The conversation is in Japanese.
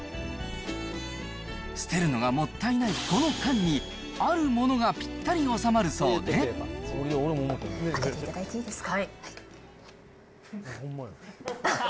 捨てるのがもったいないこの缶に、あるものがぴったり収まるそう開けていただいていいですか。